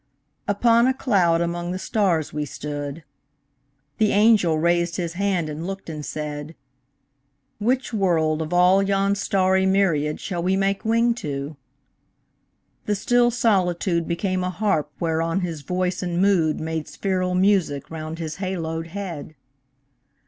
Upon a cloud among the stars we stood. The angel raised his hand and looked and said, "Which world, of all yon starry myriad Shall we make wing to?" The still solitude Became a harp whereon his voice and mood Made spheral music round his haloed head.